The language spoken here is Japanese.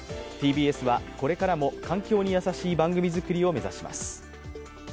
ＴＢＳはこれからも環境に優しい番組作りを目指します。